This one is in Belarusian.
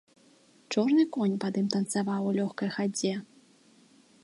Чорны конь пад ім танцаваў у лёгкай хадзе.